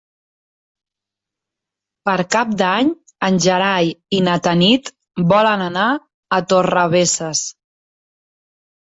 Per Cap d'Any en Gerai i na Tanit volen anar a Torrebesses.